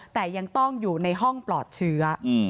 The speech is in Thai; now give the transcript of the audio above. แต่ยังต้องอยู่ในห้องปลอดเชื้อ